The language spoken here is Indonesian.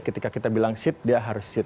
ketika kita bilang sit dia harus sit